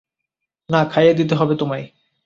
না, খাইয়ে দিতে হবে তোমায়।